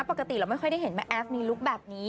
ปกติเราไม่ค่อยได้เห็นแม่แอฟมีลุคแบบนี้